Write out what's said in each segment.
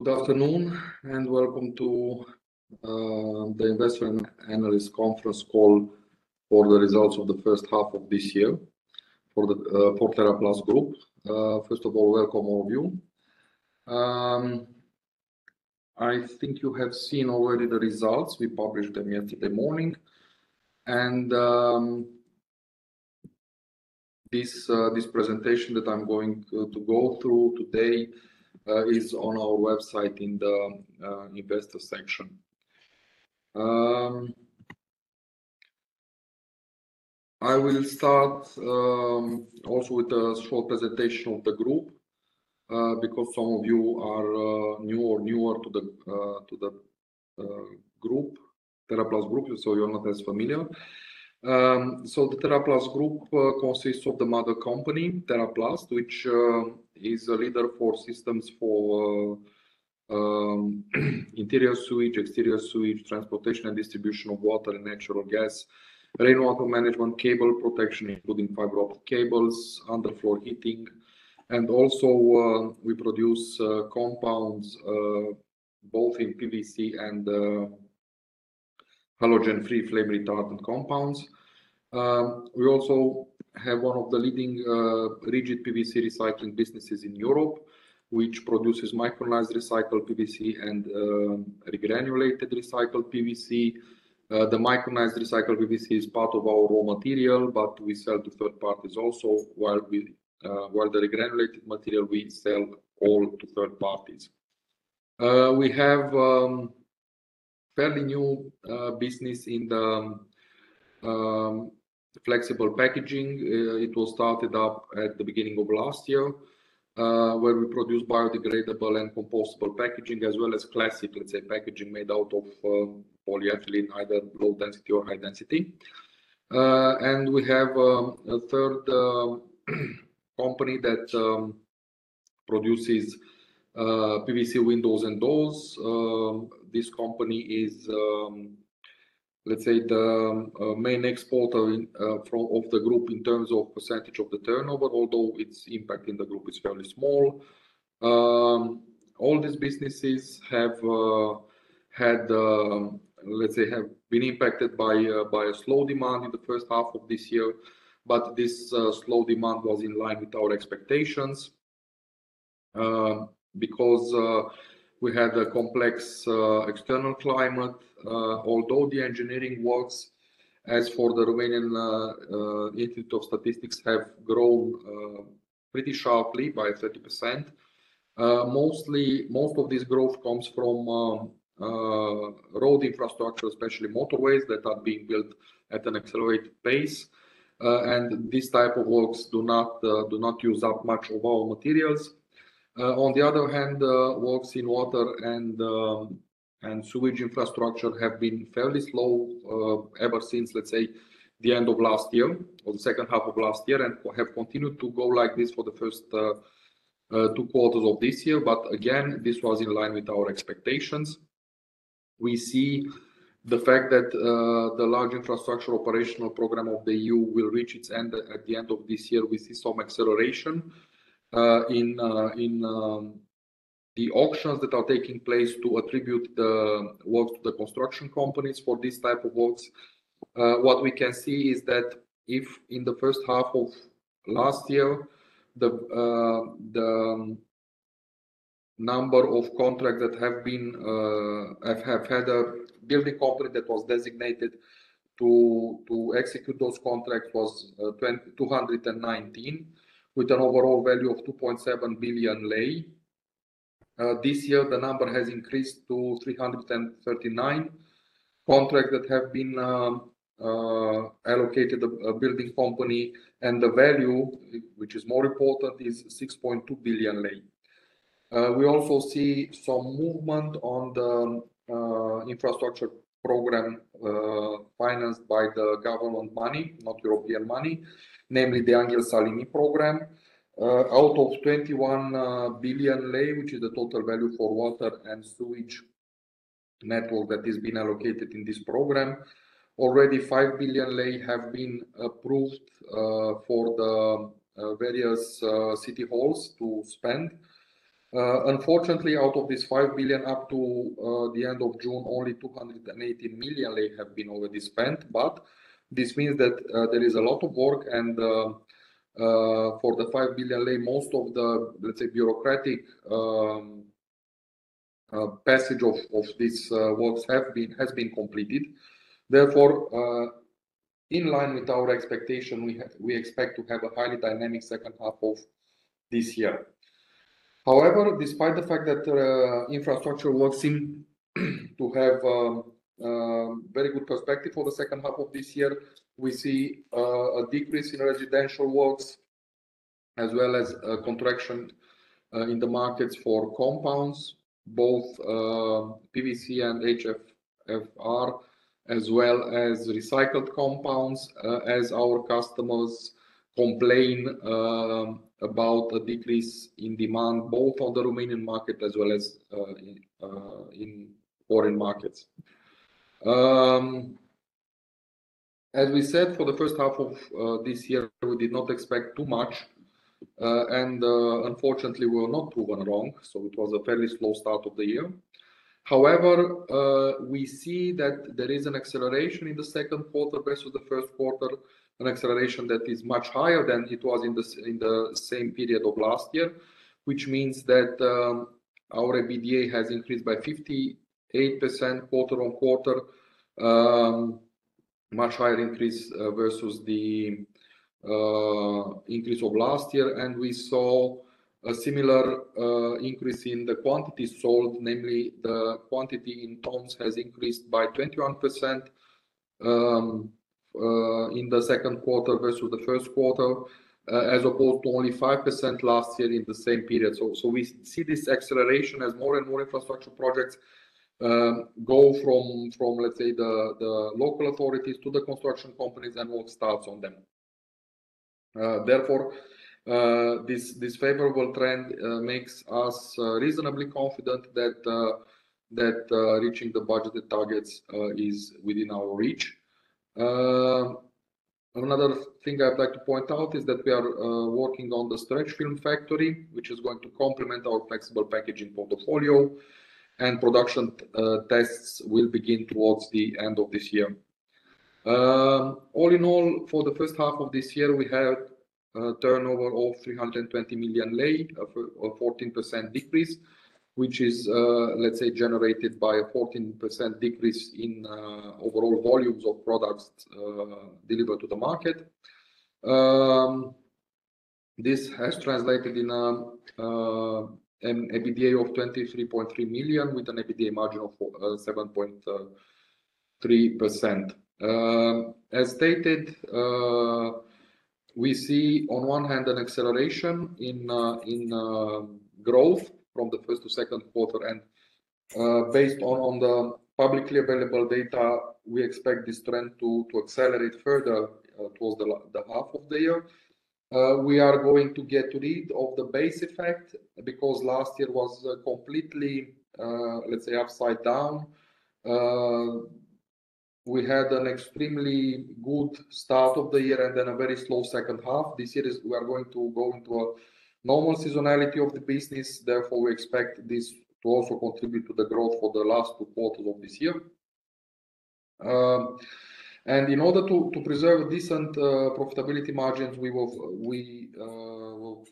Good afternoon, and welcome to the Investment Analysts Conference Call for the results of the first half of this year for the Teraplast Group. First of all, welcome, all of you. I think you have seen already the results. We published them yesterday morning. This presentation that I'm going to go through today is on our website in the investor section. I will start also with a short presentation of the group because some of you are new or newer to the group, Teraplast Group, so you're not as familiar. The Teraplast Group consists of the mother company, Teraplast, which is a leader for systems for interior sewage, exterior sewage, transportation and distribution of water and natural gas, rainwater management, cable protection, including fiber optic cables, underfloor heating. Also, we produce compounds both in PVC and halogen-free flame retardant compounds. We also have one of the leading rigid PVC recycling businesses in Europe, which produces micronized recycled PVC and regranulated recycled PVC. The micronized recycled PVC is part of our raw material, but we sell to third parties also, while the regranulated material we sell all to third parties. We have fairly new business in the flexible packaging. It was started up at the beginning of last year, where we produce biodegradable and compostable packaging, as well as classic, let's say, packaging made out of polyethylene, either low density or high density. We have a third company that produces PVC windows and doors. This company is, let's say, the main exporter of the group in terms of percentage of the turnover, although its impact in the group is fairly small. All these businesses have had, let's say, been impacted by a slow demand in the first half of this year. This slow demand was in line with our expectations, because we had a complex external climate. Although the engineering works, as for the National Institute of Statistics, have grown pretty sharply by 30%. Mostly, most of this growth comes from road infrastructure, especially motorways that are being built at an accelerated pace. These type of works do not use up much of our materials. On the other hand, works in water and sewage infrastructure have been fairly slow ever since, let's say, the end of last year or the second half of last year, and have continued to go like this for the first two quarters of this year. Again, this was in line with our expectations. We see the fact that the large infrastructure operational program of the EU will reach its end at the end of this year. ration in the auctions that are taking place to attribute the work to the construction companies for these type of works. What we can see is that if in the first half of last year, the number of contracts that have been allocated a building company that was designated to execute those contracts was 219, with an overall value of RON 2.7 billion. This year, the number has increased to 339 contracts that have been allocated a building company, and the value, which is more important, is RON 6.2 billion. We also see some movement on the infrastructure program, financed by the government money, not European money, namely the Anghel Saligny program Out of RON 21 billion, which is the total value for water and sewage network that is being allocated in this program, already RON 5 billion have been approved for the various city halls to spend. Unfortunately, out of this RON 5 billion, up to the end of June, only RON 280 million have been already spent. This means that there is a lot of work and for the RON 5 billion, most of the, let's say, bureaucratic passage of these works has been completed. Therefore, in line with our expectation, we expect to have a highly dynamic second half of this year. However, despite the fact that infrastructure works seem to have a very good perspective for the second half of this year, we see a decrease in residential works, as well as a contraction in the markets for compounds, both PVC and HFFR, as well as recycled compounds, as our customers complain about a decrease in demand, both on the Romanian market as well as in foreign markets. As we said, for the first half of this year, we did not expect too much. Unfortunately, we were not proven wrong, so it was a fairly slow start of the year. However, we see that there is an acceleration in the second quarter versus the first quarter, an acceleration that is much higher than it was in the same period of last year. Which means that our EBITDA has increased by 58% quarter-on-quarter, much higher increase versus the increase of last year. We saw a similar increase in the quantity sold, namely, the quantity in tons has increased by 21% in the second quarter versus the first quarter, as opposed to only 5% last year in the same period. We see this acceleration as more and more infrastructure projects go from, let's say, the local authorities to the construction companies and work starts on them. Therefore, this favorable trend makes us reasonably confident that reaching the budgeted targets is within our reach. Another thing I'd like to point out is that we are working on the stretch film factory, which is going to complement our flexible packaging portfolio, and production tests will begin towards the end of this year. All in all, for the first half of this year, we had a turnover of RON 320 million, a 14% decrease, which is, let's say, generated by a 14% decrease in overall volumes of products delivered to the market. This has translated in an EBITDA of RON 23.3 million, with an EBITDA margin of 7.3%. As stated, we see on one hand an acceleration in growth from the first to second quarter, based on the publicly available data, we expect this trend to accelerate further towards the half of the year. We are going to get rid of the base effect, because last year was completely, let's say, upside down. We had an extremely good start of the year and then a very slow second half. This year we are going to go into a normal seasonality of the business. Therefore, we expect this to also contribute to the growth for the last two quarters of this year. In order to preserve decent profitability margins, we were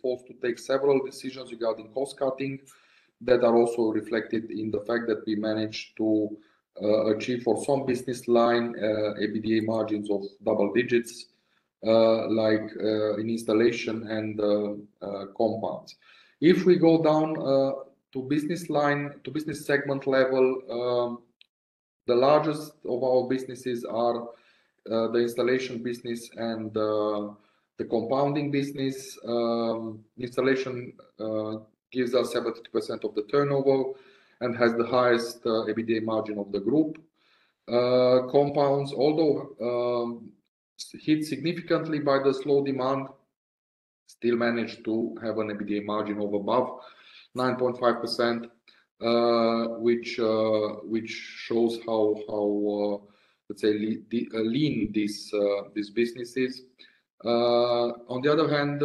forced to take several decisions regarding cost cutting that are also reflected in the fact that we managed to achieve for some business line EBITDA margins of double digits, like in installation and compounds. If we go down to business line, to business segment level, the largest of our businesses are the installation business and the compounding business. Installation gives us 70% of the turnover and has the highest EBITDA margin of the group. Compounds, although hit significantly by the slow demand, still managed to have an EBITDA margin of above 9.5%, which shows how lean this business is. On the other hand,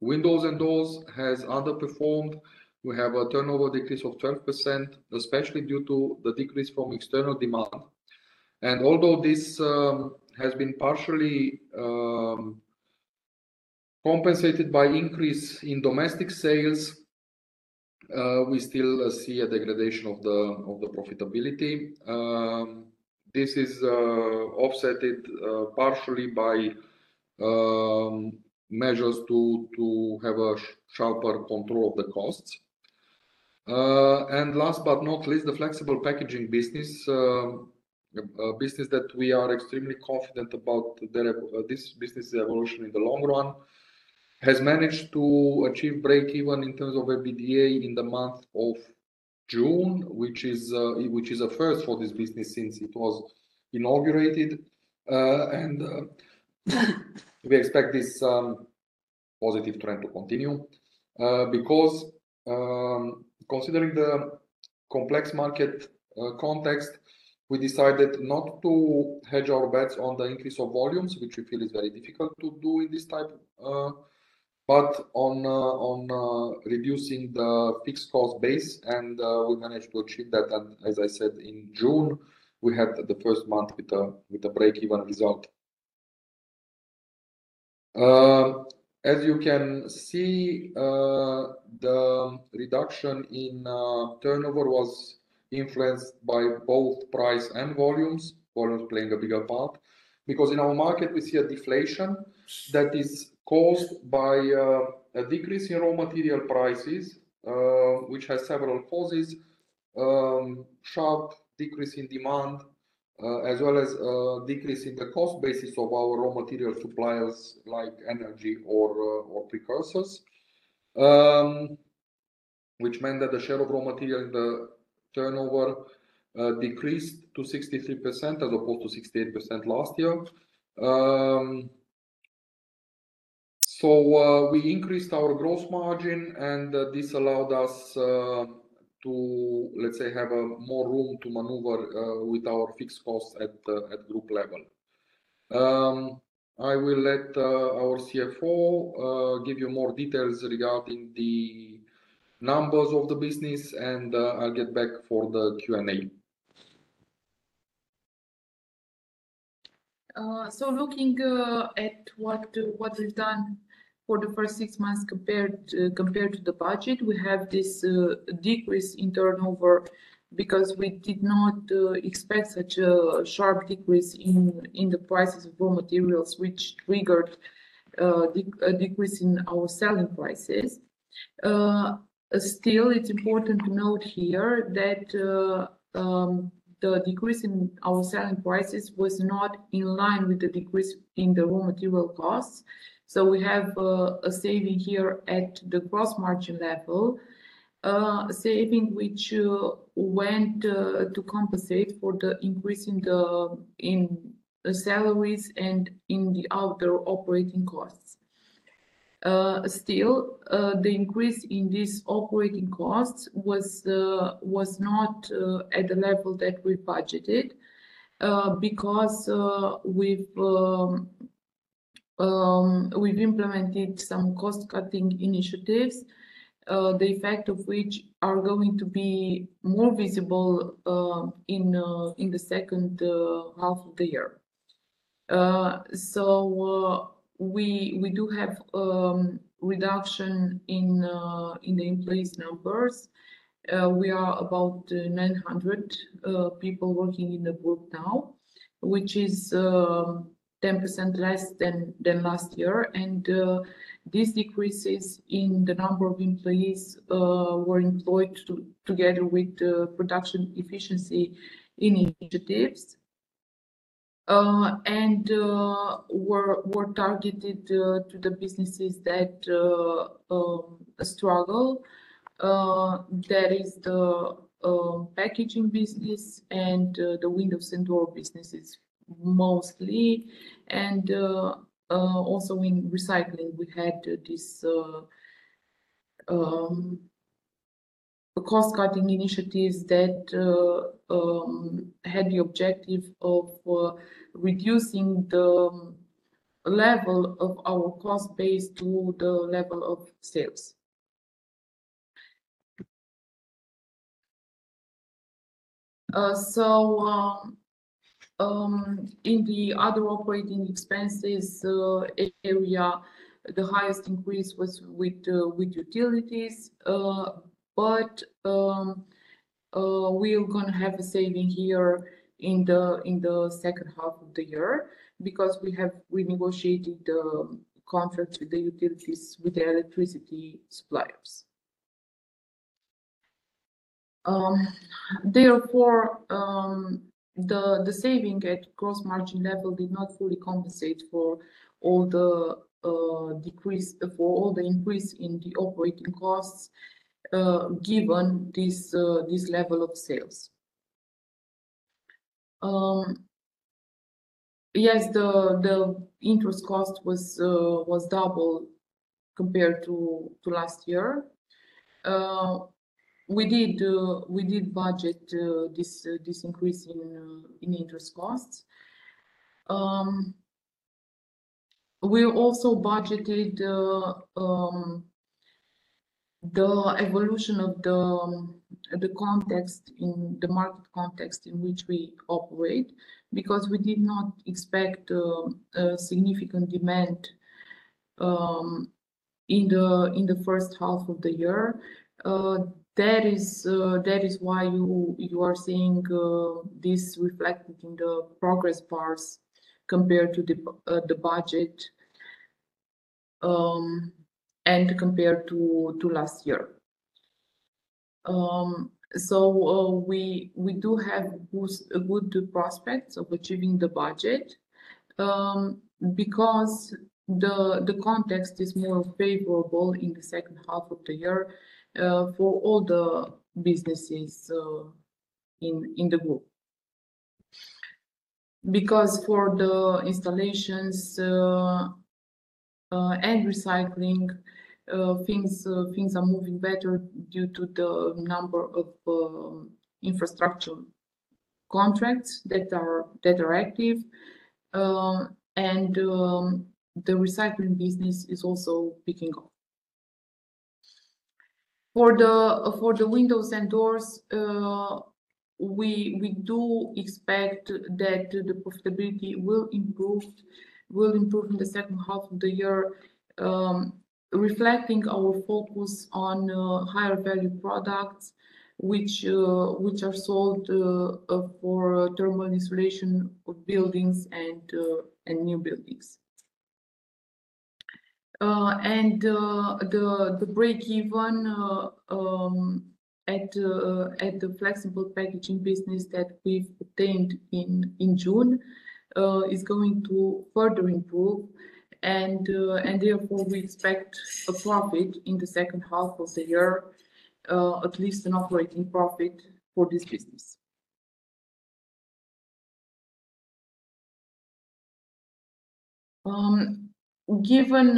windows and doors has underperformed. We have a turnover decrease of 12%, especially due to the decrease from external demand. Although this has been partially compensated by increase in domestic sales, we still see a degradation of the profitability. This is offsetted partially by measures to have a sharper control of the costs. Last but not least, the flexible packaging business, a business that we are extremely confident about this business evolution in the long run, has managed to achieve break-even in terms of EBITDA in the month of June, which is a first for this business since it was inaugurated. We expect this positive trend to continue. Because, considering the complex market context, we decided not to hedge our bets on the increase of volumes, which we feel is very difficult to do in this time, but on reducing the fixed cost base. We managed to achieve that. As I said, in June, we had the first month with a break-even result. As you can see, the reduction in turnover was influenced by both price and volumes playing a bigger part. In our market, we see a deflation that is caused by a decrease in raw material prices, which has several causes, sharp decrease in demand, as well as decrease in the cost basis of our raw material suppliers, like energy or precursors. Which meant that the share of raw material in the turnover decreased to 63%, as opposed to 68% last year. We increased our gross margin and this allowed us to, let's say, have more room to manoeuvre with our fixed costs at group level. I will let our CFO give you more details regarding the numbers of the business, and I'll get back for the Q&A. Looking at what we've done for the first six months compared to the budget, we have this decrease in turnover because we did not expect such a sharp decrease in the prices of raw materials, which triggered a decrease in our selling prices. Still, it's important to note here that the decrease in our selling prices was not in line with the decrease in the raw material costs. We have a saving here at the gross margin level, saving which went to compensate for the increase in the salaries and in the other operating costs. Still, the increase in these operating costs was not at the level that we budgeted because we've implemented some cost-cutting initiatives, the effect of which are going to be more visible in the second half of the year. We do have reduction in the employees numbers. We are about 900 people working in the Group now, which is 10% less than last year. These decreases in the number of employees were employed together with the production efficiency initiatives. Were targeted to the businesses that struggle. That is the packaging business and the windows and door businesses mostly. Also in recycling, we had this cost-cutting initiatives that had the objective of reducing the level of our cost base to the level of sales. In the other operating expenses area, the highest increase was with utilities. We're going to have a saving here in the second half of the year, because we have renegotiated the contracts with the utilities, with the electricity suppliers. Therefore, the saving at gross margin level did not fully compensate for all the increase in the operating costs, given this level of sales. Yes, the interest cost was double compared to last year. We did budget this increase in interest costs. We also budgeted the evolution of the context, in the market context in which we operate, because we did not expect a significant demand in the first half of the year. That is why you are seeing this reflected in the progress bars compared to the budget and compared to last year. We do have good prospects of achieving the budget because the context is more favorable in the second half of the year for all the businesses in the group. Because for the installations and recycling, things are moving better due to the number of infrastructure contracts that are active. The recycling business is also picking up. For the windows and doors, we do expect that the profitability will improve in the second half of the year, reflecting our focus on higher value products, which are sold for thermal insulation of buildings and new buildings. The breakeven at the flexible packaging business that we've obtained in June, is going to further improve. Therefore, we expect a profit in the second half of the year, at least an operating profit for this business. Given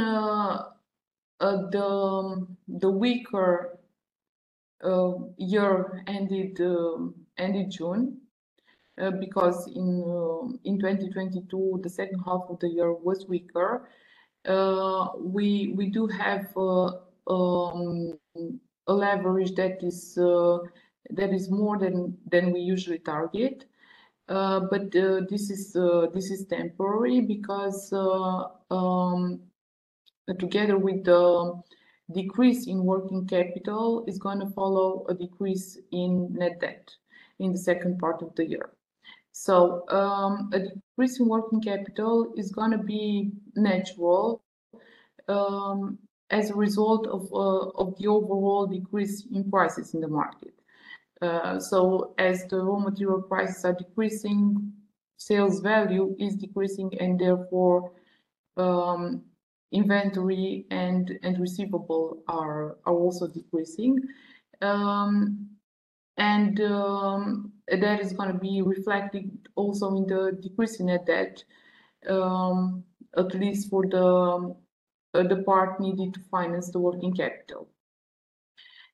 the weaker year ended June, because in 2022, the second half of the year was weaker. We do have a leverage that is more than we usually target. This is temporary because together with the decrease in working capital, is gonna follow a decrease in net debt in the second part of the year. A decrease in working capital is gonna be natural as a result of the overall decrease in prices in the market. As the raw material prices are decreasing, sales value is decreasing, and therefore, inventory and receivable are also decreasing. That is gonna be reflected also in the decrease in net debt at least for the part needed to finance the working capital.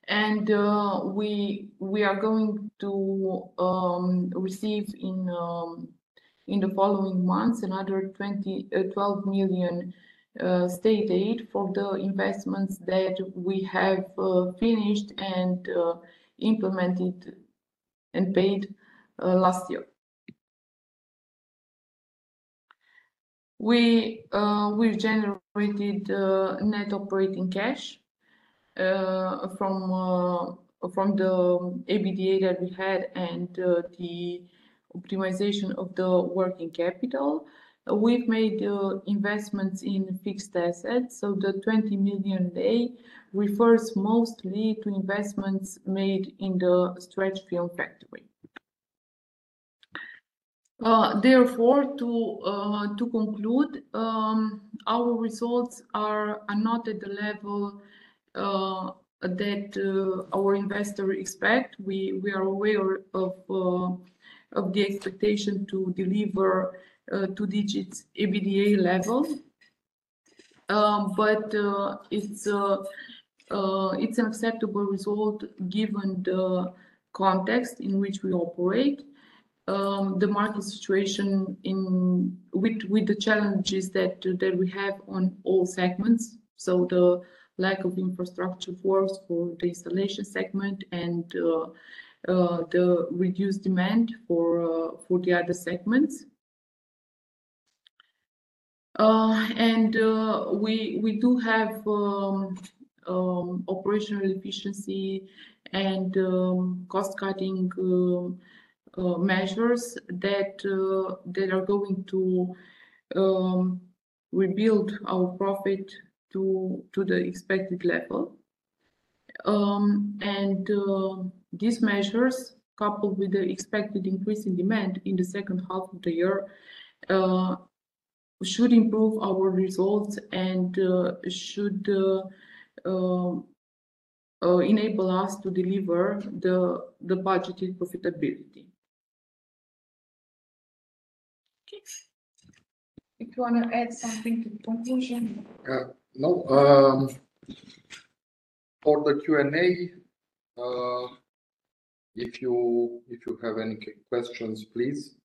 We are going to receive in the following months, another RON 12 million state aid for the investments that we have finished and implemented and paid last year. We've generated net operating cash from the EBITDA that we had and the optimization of the working capital. We've made investments in fixed assets, so the RON 20 million day refers mostly to investments made in the stretch film factory. Therefore, to conclude, our results are not at the level that our investor expect. We are aware of the expectation to deliver two digits EBITDA level. It's an acceptable result given the context in which we operate. The market situation in with the challenges that we have on all segments, the lack of infrastructure works for the installation segment and the reduced demand for the other segments. We do have operational efficiency and cost-cutting measures that are going to rebuild our profit to the expected level. These measures, coupled with the expected increase in demand in the second half of the year, should improve our results and should enable us to deliver the budgeted profitability. Okay. If you want to add something to conclusion? No. For the Q&A, if you have any questions, please.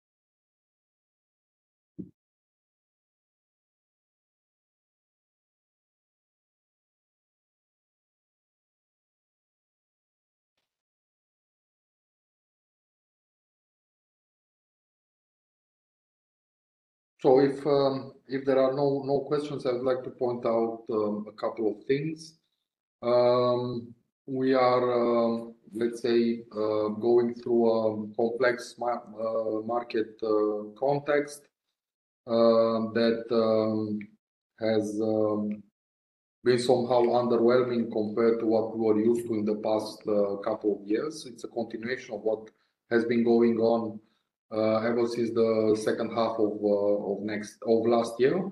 If there are no questions, I would like to point out a couple of things. We are, let's say, going through a complex market context that has been somehow underwhelming compared to what we were used to in the past couple of years. It's a continuation of what has been going on ever since the second half of last year.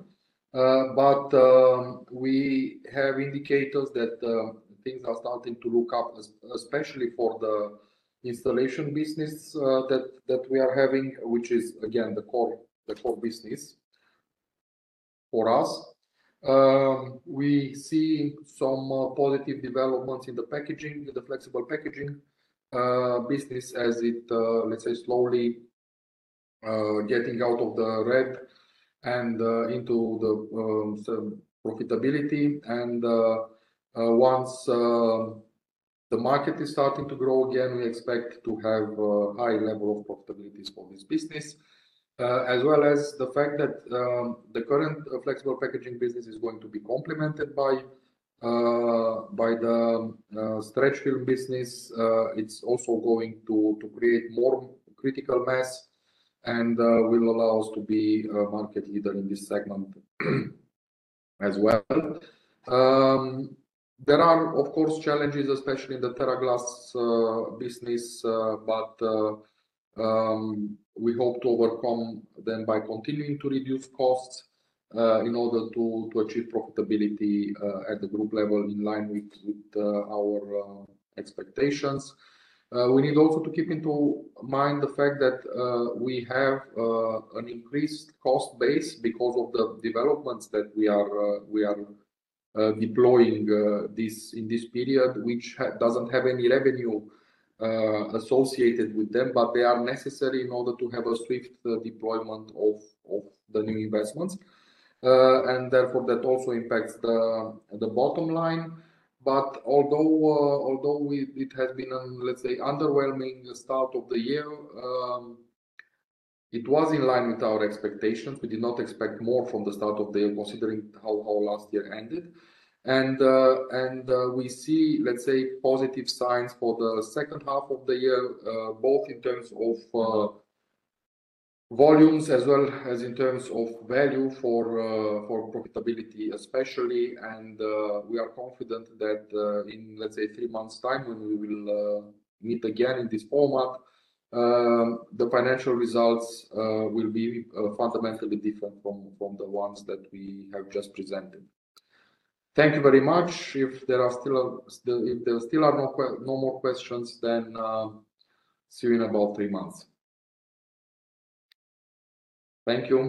We have indicators that things are starting to look up, especially for the installation business that we are having, which is again, the core business for us. We see some positive developments in the packaging, in the flexible packaging business as it, let's say, slowly getting out of the red and into some profitability. Once the market is starting to grow again, we expect to have a high level of profitability for this business. As well as the fact that the current flexible packaging business is going to be complemented by the stretch film business. It's also going to create more critical mass and will allow us to be a market leader in this segment, as well. There are, of course, challenges, especially in the TeraGlass business, but we hope to overcome them by continuing to reduce costs in order to achieve profitability at the group level, in line with our expectations. We need also to keep into mind the fact that we have an increased cost base because of the developments that we are deploying in this period, which doesn't have any revenue associated with them, but they are necessary in order to have a swift deployment of the new investments. Therefore, that also impacts the bottom line. Although it has been, let's say, underwhelming start of the year, it was in line with our expectations. We did not expect more from the start of the year, considering how last year ended. We see, let's say, positive signs for the second half of the year, both in terms of volumes as well as in terms of value for profitability, especially. We are confident that in, let's say, three months' time, when we will meet again in this format, the financial results will be fundamentally different from the ones that we have just presented. Thank you very much. If there are still no more questions, see you in about three months. Thank you.